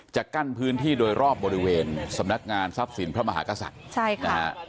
กั้นพื้นที่โดยรอบบริเวณสำนักงานทรัพย์สินพระมหากษัตริย์ใช่ค่ะนะฮะ